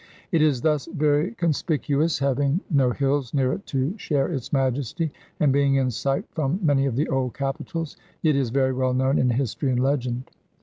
It is thus very conspicuous, having no hills near it to share its majesty; and being in sight from many of the old capitals, it is very well known in history and legend.